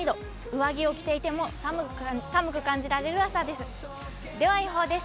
上着を着ていても寒く感じられる朝です。